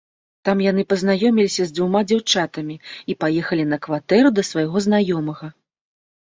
Там яны пазнаёміліся з дзвюма дзяўчатамі і паехалі на кватэру да свайго знаёмага.